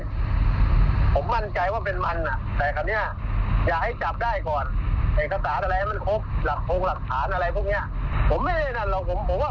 พี่รูไอฟ์ผมมั่นใจไม่เหลือเปอร์เบนให้ด้วยจุดก็ไม่เหลือให้ด้วย